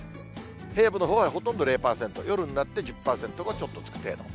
平野部のほうはほとんど０％、夜になって１０％がちょっとつく程度。